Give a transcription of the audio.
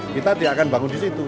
kita tidak akan bangun disitu